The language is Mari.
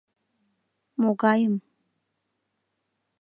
— Могайым.